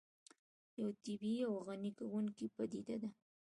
یو طبیعي او غني کوونکې پدیده ده